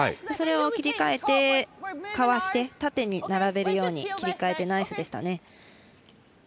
それを切り替えて、かわして縦に並べるように切り替えて、ナイスでした。